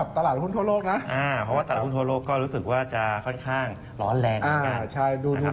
ทะลุไปนิดนึง๒๓๐๐๐กับอีก๒จุด